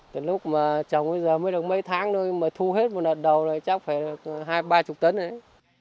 từ lúc mà trồng bây giờ mới được mấy tháng thôi mà thu hết một lần đầu thì chắc phải là hai mươi ba mươi tấn đấy